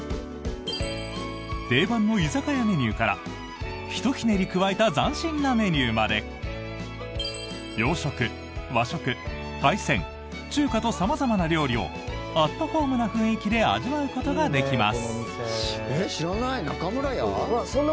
定番の居酒屋メニューからひとひねり加えた斬新なメニューまで洋食、和食、海鮮、中華と様々な料理をアットホームな雰囲気で味わうことができます。